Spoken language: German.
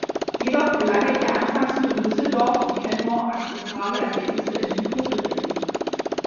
Jedoch gelangen ihr anfangs nur in Düsseldorf und Canmore akzeptable Ergebnisse in den Punkterängen.